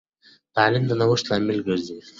تعلیم د نوښت لامل ګرځي.